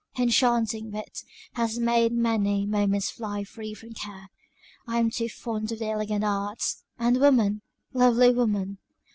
enchanting wit! has made many moments fly free from care. I am too fond of the elegant arts; and woman lovely woman!